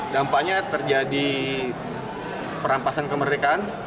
dampaknya terjadi perampasan kemerdekaan